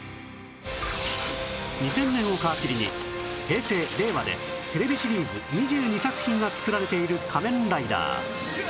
２０００年を皮切りに平成・令和でテレビシリーズ２２作品が作られている『仮面ライダー』